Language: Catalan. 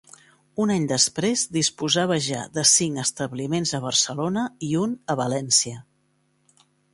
Un any després, disposava ja de cinc establiments a Barcelona i un a València.